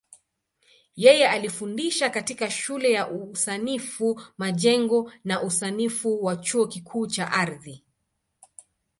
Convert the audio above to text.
Yeye alifundisha katika Shule ya Usanifu Majengo na Usanifu wa Chuo Kikuu cha Ardhi.